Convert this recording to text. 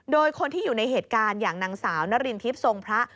โดยคนที่อยู่ในเหตุการณ์อย่างนางสาวนรินทิพย์ทรงพระ